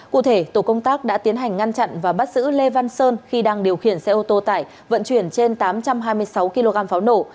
cụ thể tổ công tác đã tiến hành ngăn chặn và bắt giữ lê văn sơn khi đang điều khiển xe ô tô tải vận chuyển trên tám trăm hai mươi sáu kg pháo nổ